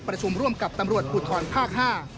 ประชุมร่วมกับตำรวจภูทรภาค๕